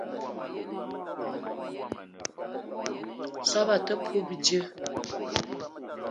Soobo te poup bidjeu.